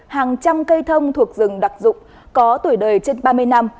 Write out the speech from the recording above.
hàng trăm cây thông thuộc rừng đặc dụng có tuổi đời trên ba mươi năm